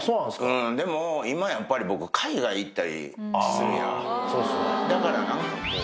うんでも今やっぱり僕海外行ったりするやんだから何かこう。